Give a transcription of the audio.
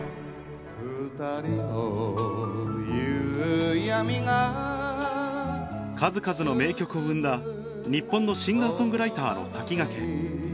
ふたりを夕やみが数々の名曲を生んだ日本のシンガー・ソングライターの先駆け